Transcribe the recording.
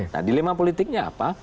nah dilema politiknya apa